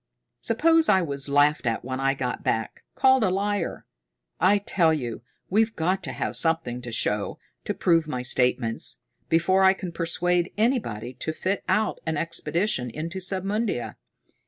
Suppose I was laughed at when I get back, called a liar! I tell you, we've got to have something to show, to prove my statements, before I can persuade anybody to fit out an expedition into Submundia.